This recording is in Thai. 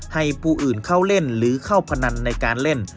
ให้ผู้อื่นเข้าเล่นหรือเข้าพนันในการเล่น